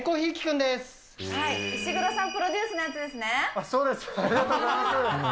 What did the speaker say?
石黒さんプロデュースのやつそうです。